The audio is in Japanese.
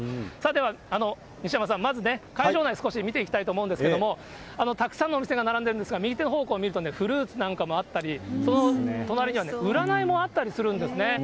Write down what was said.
では、西山さん、まずね、会場内、少し見ていきたいと思うんですけれども、たくさんのお店が並んでるんですが、右手方向を見るとね、フルーツなんかもあったり、その隣には、占いもあったりするんですね。